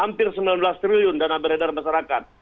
hampir sembilan belas triliun dana beredar masyarakat